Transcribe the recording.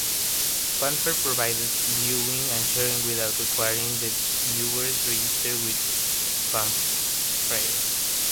Phanfare provided viewing and sharing without requiring that viewers register with Phanfare.